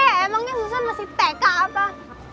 emangnya susan masih teka apa